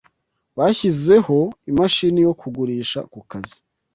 Bashyizeho imashini yo kugurisha kukazi.